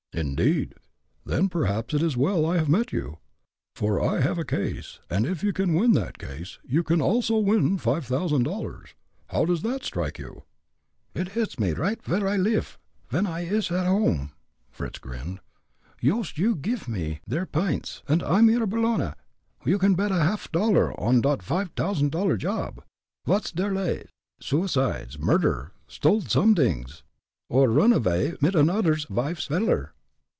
"Indeed? Then perhaps it is well I have met you, for I have a case, and if you can win that case, you can also win five thousand dollars. How does that strike you?" "It hits me right vere I liff, ven I ish at home," Fritz grinned. "Yoost you give me der p'ints, und I'm your bologna, you can bet a half dollar on dot five t'ousand dollar job. Vot's der lay suicides, murder, sdole somedings, or run avay mit anodder vife's veller?"